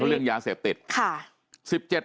เรื่องยาเสพติด